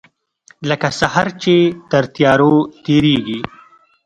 لکه سحر چې تر تیارو تیریږې